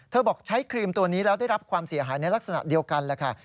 บอกใช้ครีมตัวนี้แล้วได้รับความเสียหายในลักษณะเดียวกันแหละค่ะ